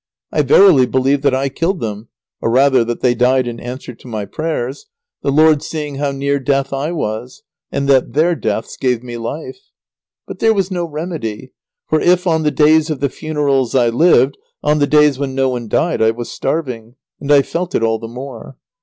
I verily believed that I killed them, or rather that they died in answer to my prayers, the Lord seeing how near death I was, and that their deaths gave me life. But there was no remedy, for if on the days of the funerals I lived, on the days when no one died I was starving, and I felt it all the more.